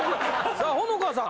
さあほのかさん